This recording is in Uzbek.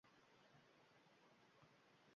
Tur, haliyam yotibsanmi, oshqovoq!